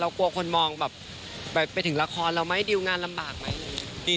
เรากลัวคนมองไปถึงละครเราไม่ดิวงานลำบากไหม